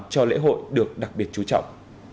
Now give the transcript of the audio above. cho lễ hội được đặc biệt chú trọng